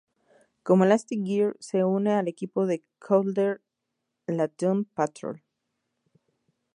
Como Elasti-Girl, se une al equipo de Caulder, la Doom Patrol.